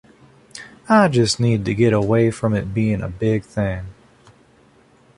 I just need to get away from it being a big thing.